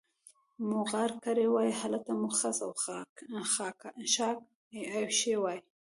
مو غار کړې وای، هلته مو خس او خاشاک اېښي وای.